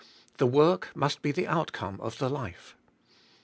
The work must be the outcome of the life.